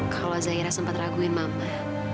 kalau zaira sempat raguin mama